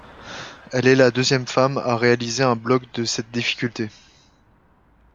Elle est la deuxième femme à réaliser un bloc de cette difficulté.